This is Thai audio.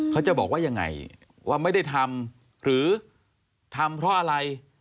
เขาจะบอกว่ายังไงว่าไม่ได้ทำหรือทำเพราะอะไร